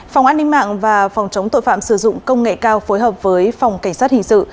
phòng an ninh mạng và phòng chống tội phạm sử dụng công nghệ cao phối hợp với phòng cảnh sát hình sự